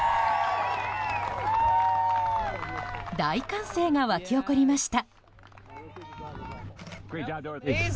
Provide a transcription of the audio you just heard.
大歓声が沸き起こりました。